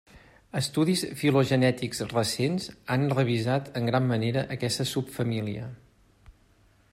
Estudis filogenètics recents han revisat en gran manera aquesta subfamília.